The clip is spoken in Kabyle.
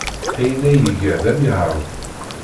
Ayen ay iga d amihaw.